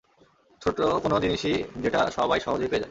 ছোট কোন জিনিসই যেটা সবাই সহজেই পেয়ে যায়।